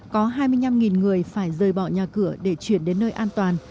có hai mươi năm người phải rời bỏ nhà cửa để chuyển đến nơi an toàn